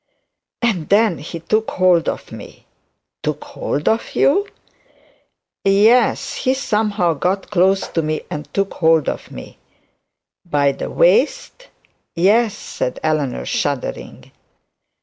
'And then he took hold of me.' 'Took hold of you?' 'Yes he somehow got close to me, and took hold of me ' 'By the waist?' 'Yes,' said Eleanor shuddering.